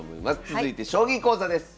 続いて将棋講座です。